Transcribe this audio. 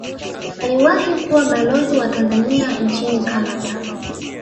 aliwahi kuwa balozi wa tanzania nchini canada